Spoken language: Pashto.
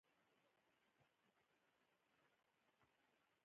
آیا سمنک پخول د ښځو دود نه دی؟